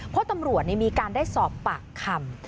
เพราะตำรวจมีการได้สอบปากคำ